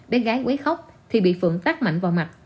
bé gái quấy khóc thì bị phượng tác mạnh vào mặt